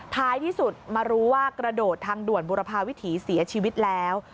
ท้ายที่สุดมารู้ว่ากระโดดทางด่วนบุรพาวิถีเสียชีวิตแล้ว